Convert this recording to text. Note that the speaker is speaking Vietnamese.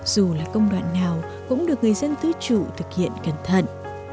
dù là công đoạn nào cũng được người dân tứ trụ thực hiện cẩn thận